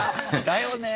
だよね」